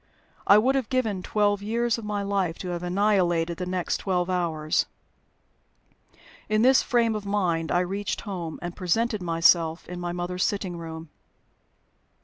I would have given twelve years of my life to have annihilated the next twelve hours. In this frame of mind I reached home, and presented myself in my mother's sitting room.